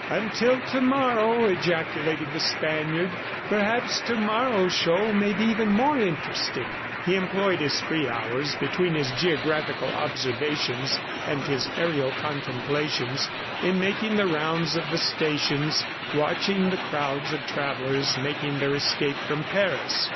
"Until to morrow!" ejaculated the Spaniard. "Perhaps to morrow's show may be even more interesting!" He employed his free hours between his geographical observations and his aerial contemplations in making the rounds of the stations, watching the crowds of travellers making their escape from Paris.